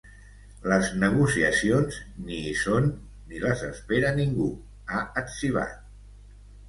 Les negociacions, ni hi són, ni les espera ningú, ha etzibat.